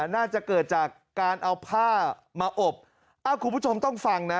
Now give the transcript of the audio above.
น่าจะเกิดจากการเอาผ้ามาอบอ้าวคุณผู้ชมต้องฟังนะ